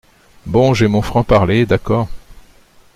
Bon, j’ai mon franc-parler, d’accord.